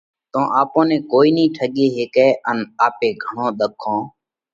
تو آپون نئہ ڪوئي نئين ٺڳي هيڪئہ ان آپي گھڻون ۮکون